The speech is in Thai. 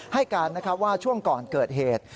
ให้การว่าช่วงก่อนเกิดเหตุ